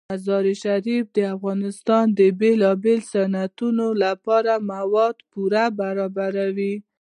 مزارشریف د افغانستان د بیلابیلو صنعتونو لپاره مواد پوره برابروي.